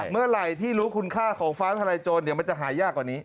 เมื่อไหร่ที่รู้คุณค่าของฟ้าทลายโจรมันจะหายากกว่านี้